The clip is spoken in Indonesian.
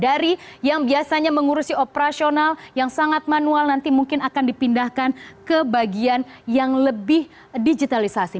dari yang biasanya mengurusi operasional yang sangat manual nanti mungkin akan dipindahkan ke bagian yang lebih digitalisasi